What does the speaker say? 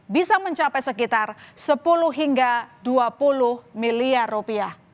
bisa mencapai sekitar sepuluh hingga dua puluh miliar rupiah